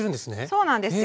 そうなんですよ。